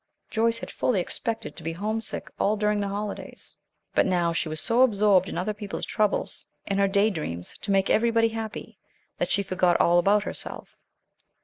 Joyce had fully expected to be homesick all during the holidays; but now she was so absorbed in other people's troubles, and her day dreams to make everybody happy, that she forgot all about herself.